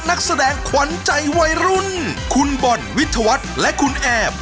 และแน่นอนนะครับเราจะกลับมาสรุปกันต่อนะครับกับรายการสุขที่รักของเรานะครับ